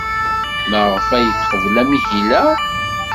Maɣef ay teqbel amahil-a?